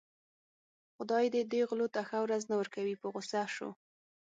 خدای دې دې غلو ته ښه ورځ نه ورکوي په غوسه شو.